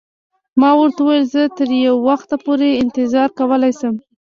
ما ورته وویل: زه تر یو وخته پورې انتظار کولای شم.